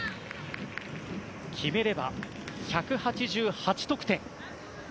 決めれば、１８８得点。